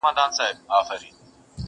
مګر واوره ګرانه دوسته! زه چي مینه درکومه،